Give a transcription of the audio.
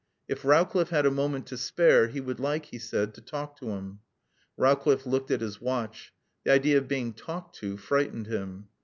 If Rowcliffe had a moment to spare, he would like, he said, to talk to him. Rowcliffe looked at his watch. The idea of being talked to frightened him.